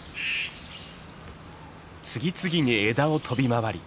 次々に枝を飛び回り